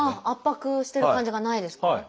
圧迫してる感じがないですか？